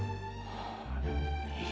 magic boost kecil begitul wassupr chap ya nvidia